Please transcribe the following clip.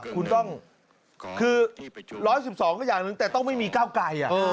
คือ๑๑๒ก็อย่างนึงแต่ต้องไม่มีก้าวไกล